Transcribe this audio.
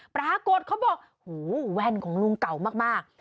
ปรากฏเขาบอกหูแว่นของลุงเก่ามาก